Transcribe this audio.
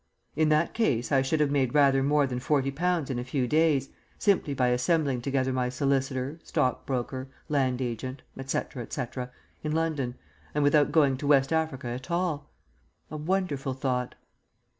In that case I should have made rather more than forty pounds in a few days, simply by assembling together my solicitor, stockbroker, land agent, etc., etc., in London, and without going to West Africa at all. A wonderful thought.